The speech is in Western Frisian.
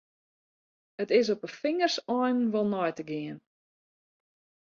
It is op 'e fingerseinen wol nei te gean.